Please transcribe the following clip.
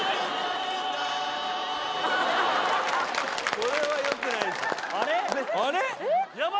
これはよくないぞ・あれ？